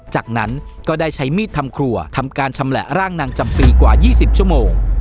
จากนั้นก็ได้ใช้มีดทำครัวทำการชำแหละร่างนางจำปีกว่า๒๐ชั่วโมง